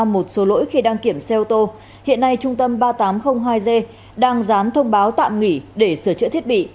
một số lỗi khi đăng kiểm xe ô tô hiện nay trung tâm ba nghìn tám trăm linh hai g đang dán thông báo tạm nghỉ để sửa chữa thiết bị